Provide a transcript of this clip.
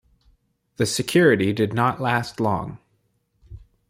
This security did not last long.